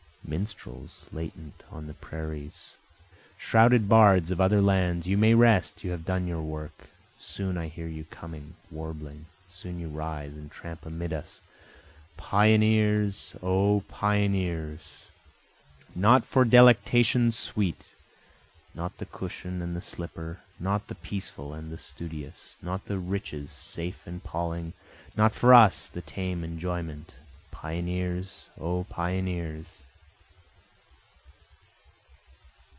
Minstrels latent on the prairies! (Shrouded bards of other lands, you may rest, you have done your work,) Soon I hear you coming warbling, soon you rise and tramp amid us, Pioneers! O pioneers! Not for delectations sweet, Not the cushion and the slipper, not the peaceful and the studious, Not the riches safe and palling, not for us the tame enjoyment, Pioneers! O pioneers!